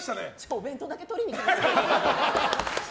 お弁当だけとりにきます。